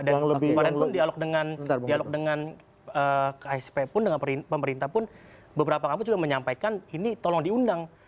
dan di awal awal itu dialog dengan ksp pun dengan pemerintah pun beberapa kampus juga menyampaikan ini tolong diundang